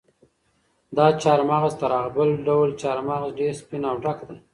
دا چهارمغز تر هغه بل ډول چهارمغز ډېر سپین او ډک دي.